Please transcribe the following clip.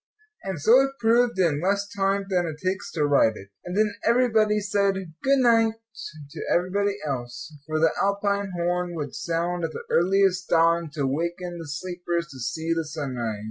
And so it proved in less time than it takes to write it. And then everybody said "good night" to everybody else; for the Alpine horn would sound at the earliest dawn to waken the sleepers to see the sunrise.